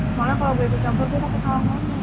soalnya kalau gue ikut campur gue bakal kesalahan